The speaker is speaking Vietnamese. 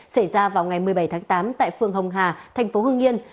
xảy ra vào ngày một mươi bảy tháng tám tại phường hồng hà thành phố hưng yên